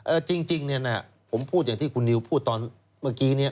จริงจริงเนี่ยนะผมพูดอย่างที่คุณนิวพูดตอนเมื่อกี้เนี่ย